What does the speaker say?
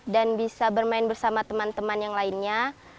dan bisa bermain bersama teman teman yang lainnya